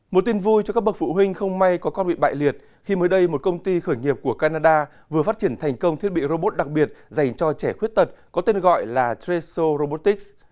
một tin vui cho các bậc phụ huynh không may có con bị bại liệt khi mới đây một công ty khởi nghiệp của canada vừa phát triển thành công thiết bị robot đặc biệt dành cho trẻ khuyết tật có tên gọi là traetso robotics